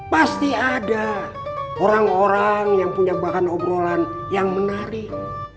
pasti ada orang orang yang punya bahan obrolan yang menarik